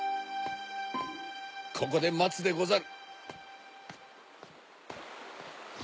ここでまつでござる。